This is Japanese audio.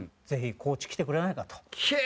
ぜひコーチ来てくれないかと。